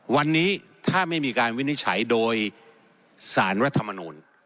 วันนี้ถ้าไม่มีการวินิจฉัยโดยสารรัฐมนูล